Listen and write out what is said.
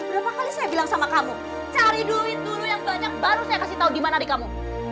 berapa kali saya bilang sama kamu cari duit dulu yang banyak baru saya kasih tahu di mana di kamu